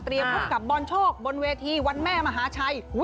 พบกับบอลโชคบนเวทีวันแม่มหาชัย